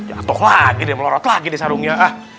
jatuh lagi deh melorot lagi deh sarungnya